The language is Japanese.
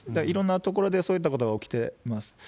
いろんな所でそういったことが起きてます。